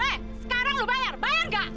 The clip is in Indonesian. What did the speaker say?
hei sekarang lu bayar bayar nggak